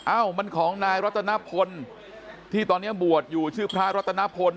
เอ้ามันของนายรัตนพลที่ตอนนี้บวชอยู่ชื่อพระรัตนพล